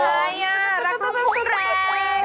พยายามรักลุ้งพุ่งแรง